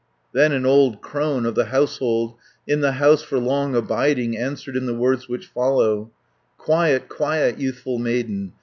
Then an old crone of the household, In the house for long abiding, Answered in the words which follow: "Quiet, quiet, youthful maiden!